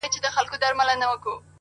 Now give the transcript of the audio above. عقل او زړه يې په کعبه کي جوارې کړې ده;